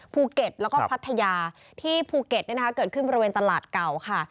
ภูเก็ตแล้วก็พัทยาที่ภูเก็ตเกิดขึ้นบริเวณตลาดเก่าค่ะ